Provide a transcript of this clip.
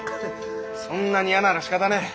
そんなに嫌ならしかたねえ。